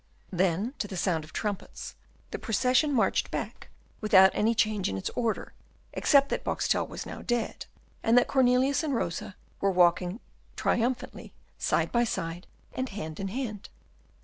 Then, to the sound of trumpets, the procession marched back without any change in its order, except that Boxtel was now dead, and that Cornelius and Rosa were walking triumphantly side by side and hand in hand.